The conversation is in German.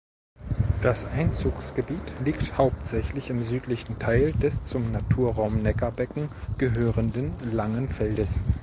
Das Einzugsgebiet liegt hauptsächlich im südlichen Teil des zum Naturraum Neckarbecken gehörenden "Langen Feldes".